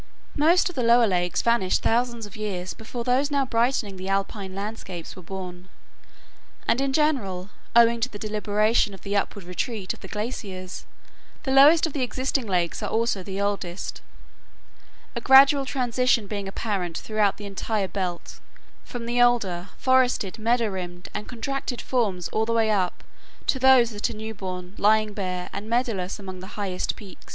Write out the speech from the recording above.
Most of the lower lakes vanished thousands of years before those now brightening the alpine landscapes were born. And in general, owing to the deliberation of the upward retreat of the glaciers, the lowest of the existing lakes are also the oldest, a gradual transition being apparent throughout the entire belt, from the older, forested, meadow rimmed and contracted forms all the way up to those that are new born, lying bare and meadowless among the highest peaks.